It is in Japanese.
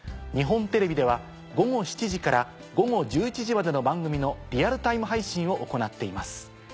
日本テレビでは午後７時から午後１１時までの番組のリアルタイム配信を行っています。